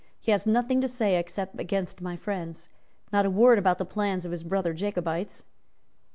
He has nothing to say except against my friends. Not a word about the plans of his brother Jacobites."